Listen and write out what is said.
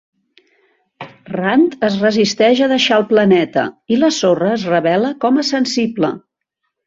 Rand es resisteix a deixar el planeta i la sorra es revela com a sensible.